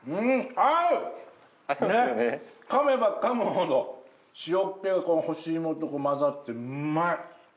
噛めば噛むほど塩っ気がこの干し芋と混ぜってうまい。